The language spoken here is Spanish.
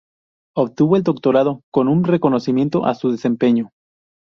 Obtuvo el Doctorado con un reconocimiento a su desempeño.